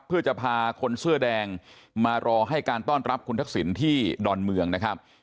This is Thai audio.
เพื่อจะพาคนเสื้อแดงมารอให้การต้อนรับคุณทักษิณที่ดอนเมืองนะครับ